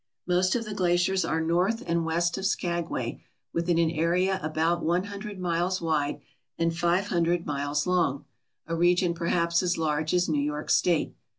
Most of the glaciers are north and west of Skag way within an area about one hundred miles wide and five hundred miles long, a region perhaps as large as New York State.